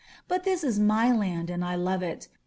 But this is my land and I love it.